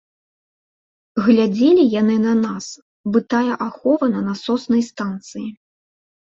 Глядзелі яны на нас бы тая ахова на насоснай станцыі.